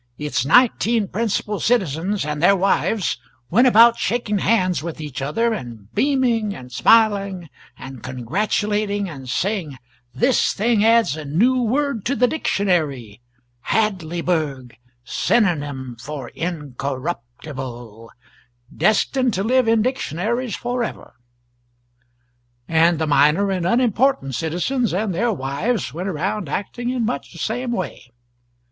Its nineteen principal citizens and their wives went about shaking hands with each other, and beaming, and smiling, and congratulating, and saying this thing adds a new word to the dictionary Hadleyburg, synonym for incorruptible destined to live in dictionaries for ever! And the minor and unimportant citizens and their wives went around acting in much the same way.